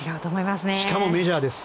しかもメジャーです。